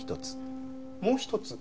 もう一つ？